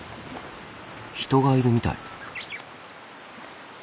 人がいるみたい。